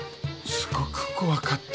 すごく怖かった。